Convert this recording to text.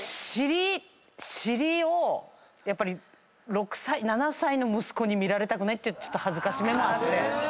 尻尻をやっぱり６歳７歳の息子に見られたくないっていうちょっと辱めもあって。